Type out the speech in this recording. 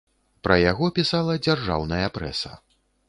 Пра яго пісала дзяржаўная прэса.